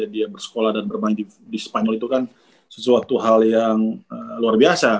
dia bersekolah dan bermain di spanyol itu kan sesuatu hal yang luar biasa